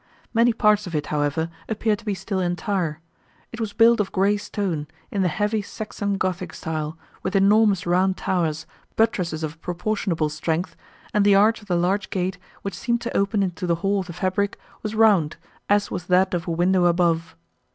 Many parts of it, however, appeared to be still entire; it was built of grey stone, in the heavy Saxon gothic style, with enormous round towers, buttresses of proportionable strength, and the arch of the large gate, which seemed to open into the hall of the fabric, was round, as was that of a window above.